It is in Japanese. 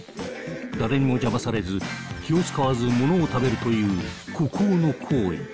誰にも邪魔されず気を遣わずものを食べるという孤高の行為。